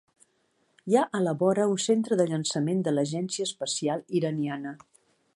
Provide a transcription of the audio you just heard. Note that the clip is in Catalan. Hi ha a la vora un centre de llançament de l'Agència Espacial Iraniana.